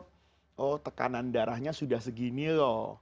karena tekanan darahnya sudah segini loh